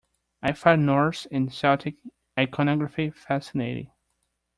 I find Norse and Celtic iconography fascinating.